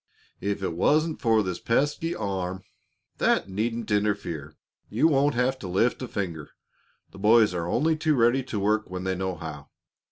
If it wan't for this pesky arm " "That needn't interfere. You won't have to lift a finger. The boys are only too ready to work when they know how.